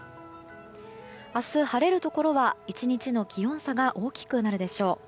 明日、晴れるところは１日の気温差が大きくなるでしょう。